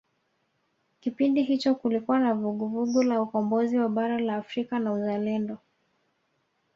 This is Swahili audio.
kipindi hicho kulikuwa na vuguvugu la ukombozi wa bara la afrika na uzalendo